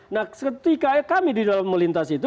nah ketika kami di dalam melintas itu